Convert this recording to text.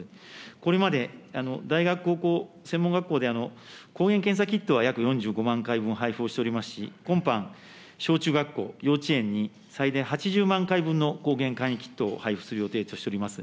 これまで大学、高校、専門学校で抗原検査キットは約４５万回分、配布をしておりますし、今般、小中学校、幼稚園に最大８０万回分の抗原簡易キットを配布する予定としております。